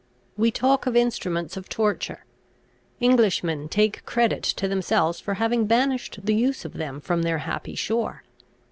We talk of instruments of torture; Englishmen take credit to themselves for having banished the use of them from their happy shore!